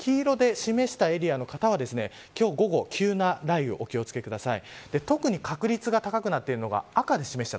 黄色で示したエリアの方は今日は午後急な雷雨にお気を付けください。